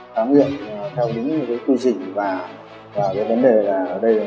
khám nghiệm theo đúng quy trình và vấn đề ở đây